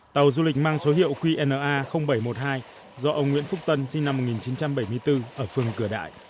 tàu du lịch mang số hiệu qna bảy trăm một mươi hai do ông nguyễn phúc tân sinh năm một nghìn chín trăm bảy mươi bốn ở phường cửa đại